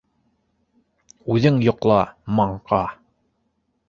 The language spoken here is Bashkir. Үҙең йоҡла, маңҡа!